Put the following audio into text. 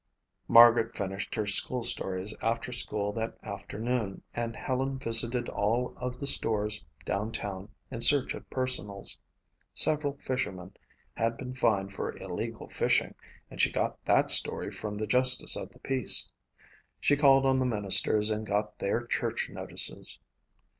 Margaret finished her school stories after school that afternoon and Helen visited all of the stores down town in search of personals. Several fishermen had been fined for illegal fishing and she got that story from the justice of the peace. She called on the ministers and got their church notices.